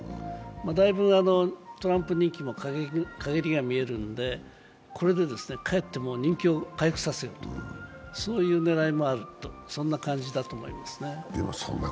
だいぶ、トランプ人気も陰りが見えるので、これでもう人気を回復させるという狙いもあると、そんな感じだと思いますね。